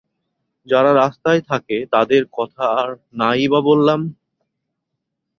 যারা রাস্তায় থাকে, তাদের কথা আর না ই বা বললাম।